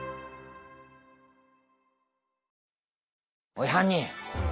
おい犯人。